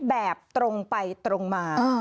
แบบตรงไปตรงมา